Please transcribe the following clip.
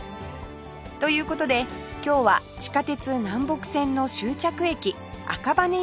という事で今日は地下鉄南北線の終着駅赤羽岩淵を散歩